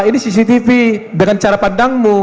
ini cctv dengan cara pandangmu